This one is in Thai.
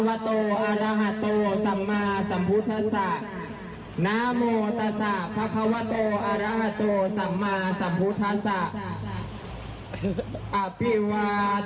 มาธาโดรธังมาวัฒนเตียจุวโอนงสุกรามพระราณขอ